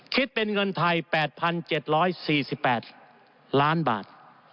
คิดเป็นเงินไทย๘๗๔๘ล้านบาท